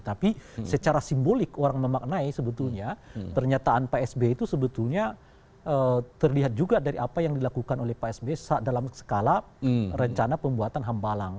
tapi secara simbolik orang memaknai sebetulnya pernyataan pak sby itu sebetulnya terlihat juga dari apa yang dilakukan oleh pak sby dalam skala rencana pembuatan hambalang